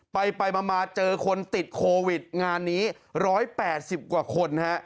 ไปมาเจอคนติดโควิดงานนี้๑๘๐กว่าคนฮะ